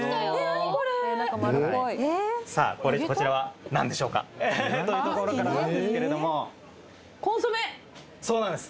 何これ何か丸っこいさあこちらは何でしょうか？というところからなんですけれどもコンソメそうなんです